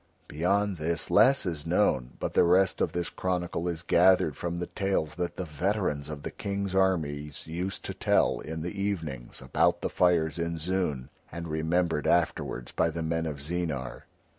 Beyond this less is known, but the rest of this chronicle is gathered from the tales that the veterans of the King's armies used to tell in the evenings about the fires in Zoon and remembered afterwards by the men of Zeenar.